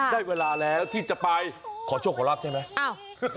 ได้เวลาแล้วที่จะไปขอโชคขอรับใช่ไหม